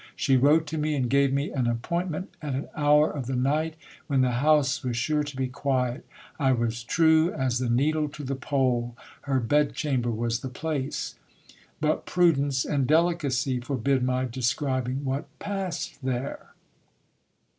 She wrote to me, and gave me an appoint ment at an hour of the night when the house was sure to be quiet. I was true as the needle to the pole ; her bedchamber was the place But prudence ani delicacy forbid my describing what passed there.